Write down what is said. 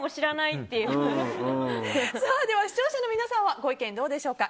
では視聴者の皆さんのご意見どうでしょうか。